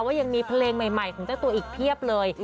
ว่ายังมีเพลงใหม่ของเจ้าตัวอีกเพียบเลย